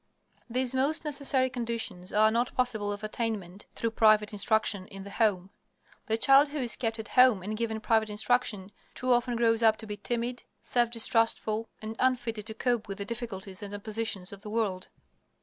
These most necessary conditions are not possible of attainment through private instruction in the home. The child who is kept at home and given private instruction too often grows up to be timid, self distrustful, and unfitted to cope with the difficulties and oppositions of the world.